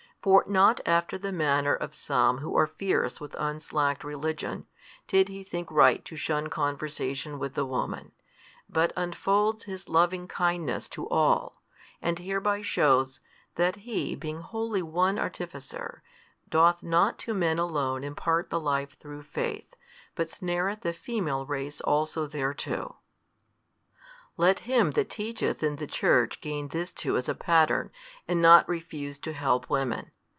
For not after the manner of some who are fierce with unslacked religion, did He think right to shun conversation with the woman, but unfolds His Loving kindness to all, and hereby shews, that He being wholly One Artificer, doth not to men alone impart the life through faith, but snareth the female race also thereto. Let him that teacheth in the Church gain this too as a pattern, and not refuse to help women.